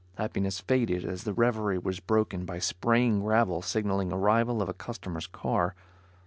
Happiness faded as the reverie was broken by spraying gravel signaling arrival of a customer's car.